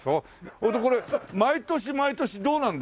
それでこれ毎年毎年どうなんですか？